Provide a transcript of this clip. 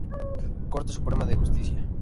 Corte Suprema De Justicia.